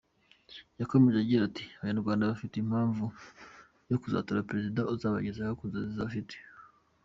Yakomeje agira ati “Abanyarwanda bafite impamvu yo kuzatora Prezida uzabageza ku nzozi bafite .